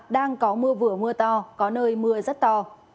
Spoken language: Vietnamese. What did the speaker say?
đang có mưa vừa mưa to có nơi mưa rất to